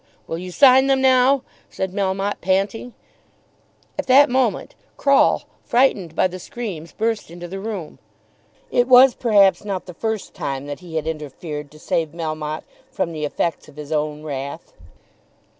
"Will you sign them now?" said Melmotte, panting. At that moment Croll, frightened by the screams, burst into the room. It was perhaps not the first time that he had interfered to save Melmotte from the effects of his own wrath.